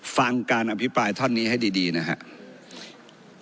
ฟังการอภิปรายท่อนนี้ให้ดีนะครับ